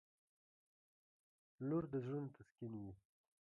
• لور د زړونو تسکین وي.